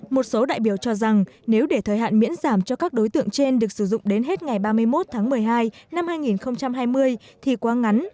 một số đại biểu cho rằng nếu để thời hạn miễn giảm cho các đối tượng trên được sử dụng đến hết ngày ba mươi một tháng một mươi hai năm hai nghìn hai mươi thì quá ngắn